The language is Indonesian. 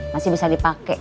masih bisa dipakai